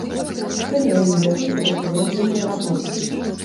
Сёння ў ім вядуцца рэстаўрацыйныя работы.